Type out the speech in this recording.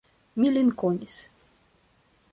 Mi lin konis.